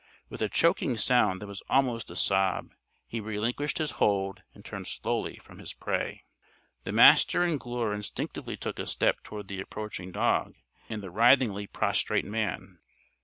With a choking sound that was almost a sob he relinquished his hold and turned slowly from his prey. The Master and Glure instinctively took a step toward the approaching dog and the writhingly prostrate man.